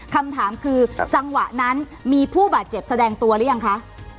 คำถามคือจังหวะนั้นมีผู้บาดเจ็บแสดงตัวหรือยังคะ